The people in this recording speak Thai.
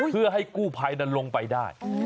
เพื่อให้กู้ภัยนั้นลงไปได้